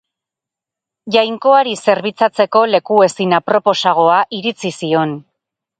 Jainkoari zerbitzatzeko leku ezin aproposagoa iritzi zion.